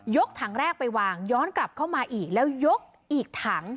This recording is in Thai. กถังแรกไปวางย้อนกลับเข้ามาอีกแล้วยกอีกถัง